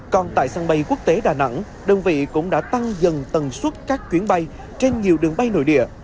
còn tại sân bay quốc tế đà nẵng đơn vị cũng đã tăng dần tần suất các chuyến bay trên nhiều đường bay nội địa